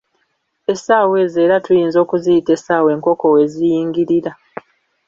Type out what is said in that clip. Essaawa ezo era tuyinza okuziyita essaawa enkoko we ziyingirira.